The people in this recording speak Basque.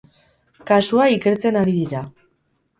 Kasua ikertzen ari dira.